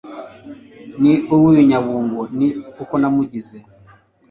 n uw i Bunyabungo ni uko namugize